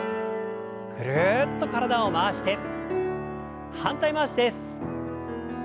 ぐるっと体を回して反対回しです。